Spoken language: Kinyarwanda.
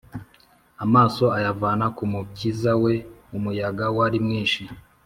amaso ayavana ku mukiza we umuyaga wari mwinshi